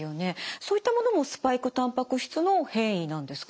そういったものもスパイクたんぱく質の変異なんですか？